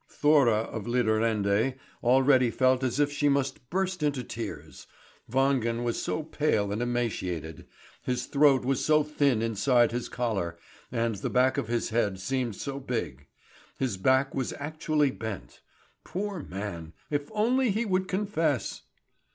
Thora of Lidarende already felt as if she must burst into tears. Wangen was so pale and emaciated; his throat was so thin inside his collar, and the back of his head seemed so big. His back was actually bent. Poor man! If only he would confess!